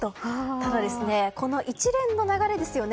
ただ、この一連の流れですよね。